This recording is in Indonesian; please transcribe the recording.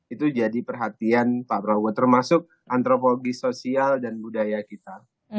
itu jadi perhatian pak prabowo termasuk antropologi sosial dan budaya kita